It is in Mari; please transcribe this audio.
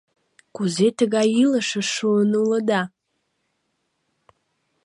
Кузе тыгай илышыш шуын улыда?